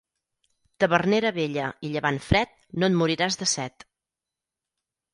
Tavernera vella i llevant fred, no et moriràs de set.